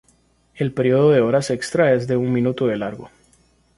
El período de horas extra es de un minuto de largo.